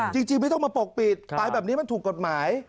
จริงไม่ต้องมาปกปิดไปแบบนี้มันถูกกฎหมาย